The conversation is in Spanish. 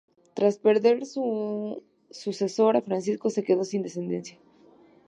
Tras perder a su sucesor, Francisco quedó sin descendencia.